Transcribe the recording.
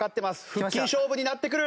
腹筋勝負になってくる。